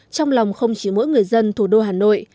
trong lòng không chỉ mỗi người dân thủ đô hà nội